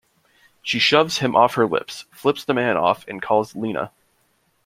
She shoves him off of her, flips the man off and calls Lena.